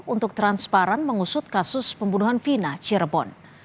untuk transparan mengusut kasus pembunuhan vina cirebon